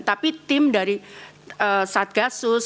tapi tim dari satgasus